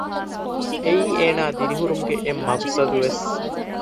އެއީ އޭނާ ދިރިހުރުމުގެ އެއް މަޤުޞަދުވެސް